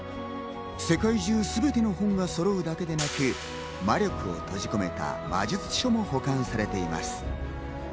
世界中すべての本が揃うだけでなく、魔力を閉じ込めた、魔術書も保管されています。